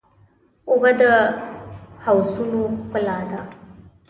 اوبه د حوضونو ښکلا ده.